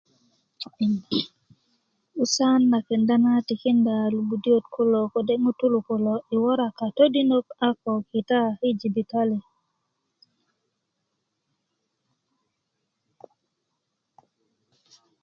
'busan na kenda na tikinda lubudiyöt kulo kode' ŋutu kulo i wora a katodinök a ko kita yi jibitali